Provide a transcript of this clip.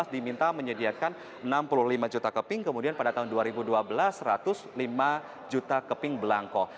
diminta menyediakan enam puluh lima juta keping kemudian pada tahun dua ribu dua belas satu ratus lima juta keping belangko